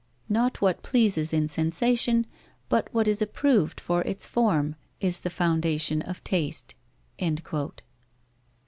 "Not what pleases in sensation, but what is approved for its form, is the foundation of taste."